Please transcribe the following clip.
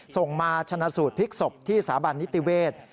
ส่งมาชนะสูตรพลิกศพที่สถาบันนิติเวศ